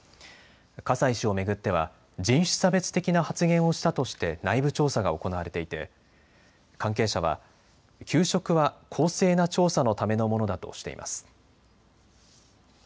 葛西氏を巡っては人種差別的な発言をしたとして内部調査が行われていて関係者は休職は公正な調査のためのものだとしています。